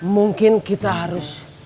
mungkin kita harus